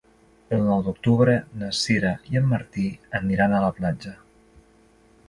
El nou d'octubre na Sira i en Martí aniran a la platja.